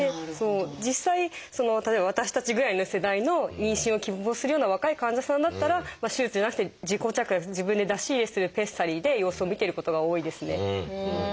実際例えば私たちぐらいの世代の妊娠を希望するような若い患者さんだったら手術じゃなくて自己着脱自分で出し入れするペッサリーで様子を見てることが多いですね。